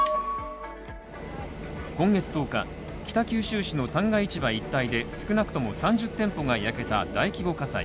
今月１０日、北九州市の旦過市場一帯で少なくとも３０店舗が焼けた大規模火災。